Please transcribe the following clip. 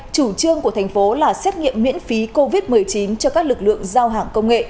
chủ trương của thành phố là xét nghiệm miễn phí covid một mươi chín cho các lực lượng giao hàng công nghệ